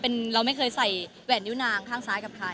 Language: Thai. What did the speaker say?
เราไม่เคยใส่แหวนนิ้วนางข้างซ้ายกับใคร